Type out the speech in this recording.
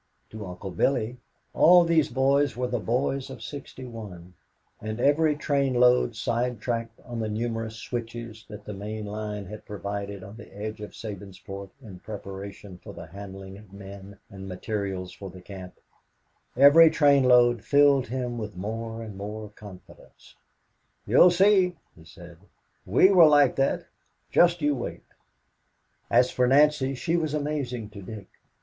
To Uncle Billy, all these boys were the boys of '61, and every train load side tracked on the numerous switches that the main line had provided on the edge of Sabinsport in preparation for the handling of men and materials for the camp every train load filled him with more and more confidence. "You'll see," he said. "We were like that just you wait." As for Nancy, she was amazing to Dick.